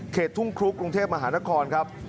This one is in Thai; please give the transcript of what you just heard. ทุ่งครุกรุงเทพมหานครครับ